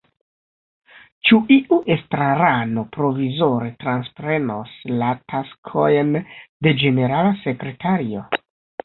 Ĉu iu estrarano provizore transprenos la taskojn de ĝenerala sekretario?